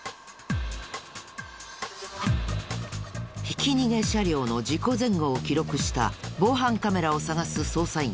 ひき逃げ車両の事故前後を記録した防犯カメラを探す捜査員。